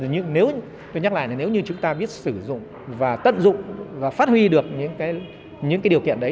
nhưng nếu như chúng ta biết sử dụng và tận dụng và phát huy được những điều kiện đấy